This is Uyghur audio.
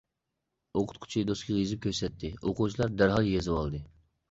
ئوقۇتقۇچى دوسكىغا يېزىپ كۆرسەتتى ئوقۇغۇچىلار دەرھال يېزىۋالدى.